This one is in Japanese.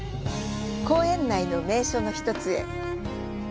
公園内の名所の１つへ。